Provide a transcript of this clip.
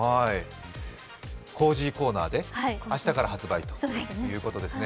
コージーコーナーで明日から発売ということですね。